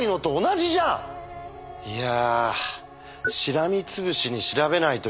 いや。